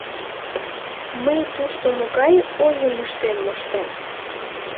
Мый тушто могай ойым ыштен моштем?..